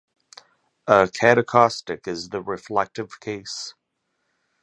A catacaustic is the reflective case.